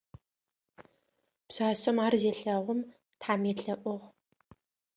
Пшъашъэм ар зелъэгъум тхьэм елъэӏугъ.